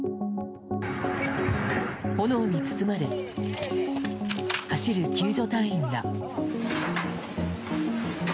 炎に包まれ、走る救助隊員ら。